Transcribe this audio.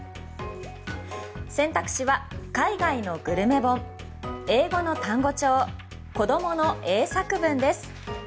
選択肢は海外のグルメ本英語の単語帳子どもの英作文です。